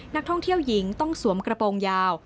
นักท่องเที่ยวหญิงต้องสวมกระโปรงยาว